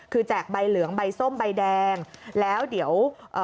คือแจกใบเหลืองใบส้มใบแดงแล้วเดี๋ยวเอ่อ